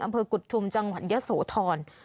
อำเภอกุฑธุมจังหวันยะโสทร